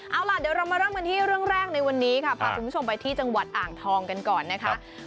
เอาล่ะเดี๋ยวเรามาเริ่มกันที่เรื่องแรกในวันนี้ค่ะพาคุณผู้ชมไปที่จังหวัดอ่างทองกันก่อนนะคะ